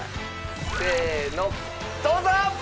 せーのどうぞ！